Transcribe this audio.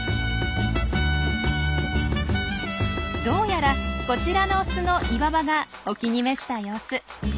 どうやらこちらのオスの岩場がお気に召した様子。